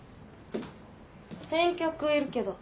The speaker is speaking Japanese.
先客いるけど。